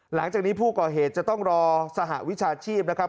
หลังจากนี้ผู้ก่อเหตุจะต้องรอสหวิชาชีพนะครับ